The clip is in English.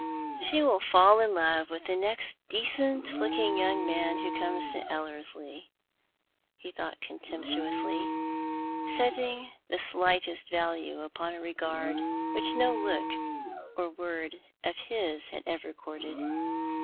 "She will fall in love with the next decent looking young man who comes to Ellerslie," he thought contemptuously, setting the slightest value upon a regard which no look or wox'd of his had ever courted.